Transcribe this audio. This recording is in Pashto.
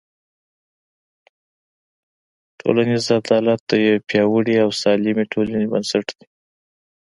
ټولنیز عدالت د یوې پیاوړې او سالمې ټولنې بنسټ دی.